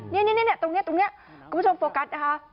นี่ตรงนี้คุณผู้ชมโฟกัสนะคะ